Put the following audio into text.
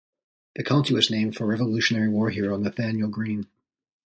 The county was named for Revolutionary War hero Nathanael Greene.